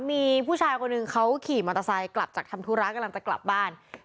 มีผู้ชายคนหนึ่งเขาขี่มอเตอร์ไซค์กลับจากทำธุระกำลังจะกลับบ้าน